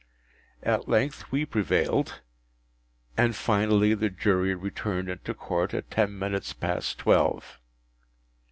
At length we prevailed, and finally the Jury returned into Court at ten minutes past twelve.